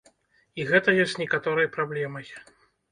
І гэта ёсць некаторай праблемай.